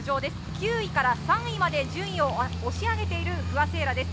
９位から３位まで順位を押し上げている不破聖衣来です。